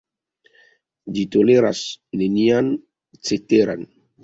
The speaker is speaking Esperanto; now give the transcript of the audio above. Ĝi toleros nenian ceteran.